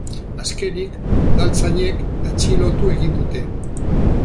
Azkenik, udaltzainek atxilotu egin dute.